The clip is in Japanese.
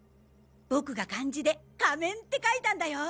ボクが漢字で「仮面」って書いたんだよ！